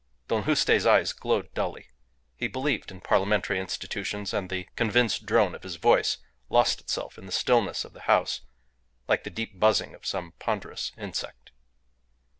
Don Juste's eyes glowed dully; he believed in parliamentary institutions and the convinced drone of his voice lost itself in the stillness of the house like the deep buzzing of some ponderous insect.